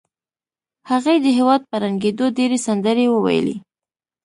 هغې د هېواد په ړنګېدو ډېرې سندرې وویلې